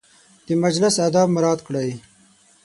د مجلس اداب مراعت کړئ